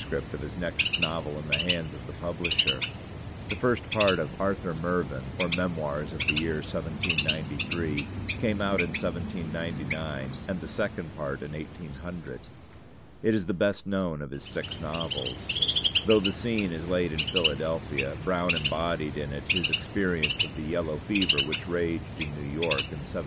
of his next novel in the hands of the publisher. The first part of 'Arthur Mervyn: or Memoirs of the Year 1793' came out in 1799, and the second part in 1800. It is the best known of his six novels. Though the scene is laid in Philadelphia, Brown embodied in it his experience of the yellow fever which raged in New York in 1799.